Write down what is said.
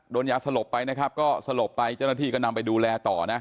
ยาสลบไปนะครับก็สลบไปเจ้าหน้าที่ก็นำไปดูแลต่อนะ